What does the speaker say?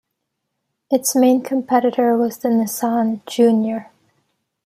Its main competitor was the Nissan Junior.